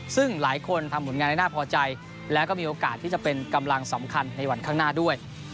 ซึ่งหลายคนทำผลงานได้น่าพอใจแล้วก็มีโอกาสที่จะเป็นกำลังสำคัญในวันข้างหน้าด้วย